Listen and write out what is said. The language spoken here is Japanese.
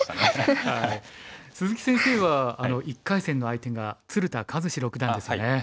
鈴木先生は１回戦の相手が鶴田和志六段ですね。